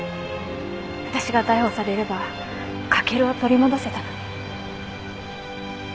私が逮捕されれば翔を取り戻せたのに。